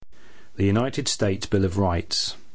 The United States Bill of Rights.